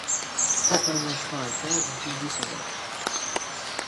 Pas un instant à perdre, lui dit son maître.